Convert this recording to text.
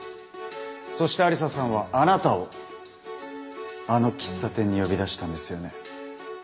そして愛理沙さんはあなたをあの喫茶店に呼び出したんですよね？